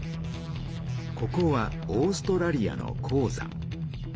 ここはオーストラリアの鉱山。